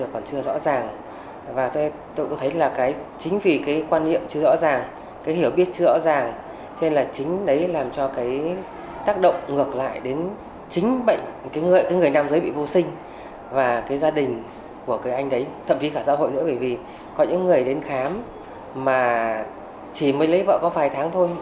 có những người đến khám mà chỉ mới lấy vợ có vài tháng thôi